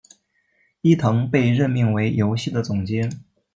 伊藤被任命为游戏的总监。